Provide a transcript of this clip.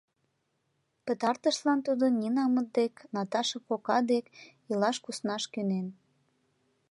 Пытартышлан тудо Нинамыт дек, Наташа кока дек, илаш куснаш кӧнен.